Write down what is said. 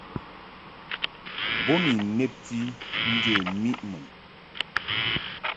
Bo ni nnebti njə miʼ mun.